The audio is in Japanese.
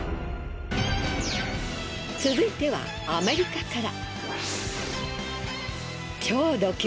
続いてはアメリカから。